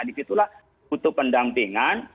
di situlah butuh pendampingan